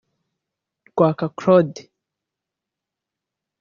Rwaka Claude